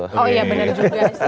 oh iya bener juga sih